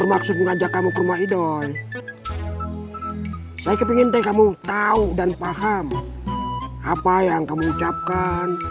maksud ngajak kamu ke rumah idoy saya kepingin teh kamu tahu dan paham apa yang kamu ucapkan